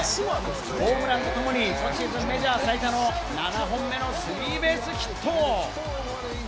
ホームランとともに今シーズンメジャー最多の７本目のスリーベースヒット。